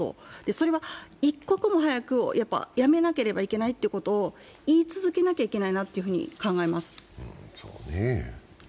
それは一刻も早くやめなければいけないということを言い続けなければいけないということを考えます。